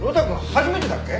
初めてだっけ？